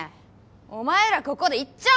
お前らここでいっちゃん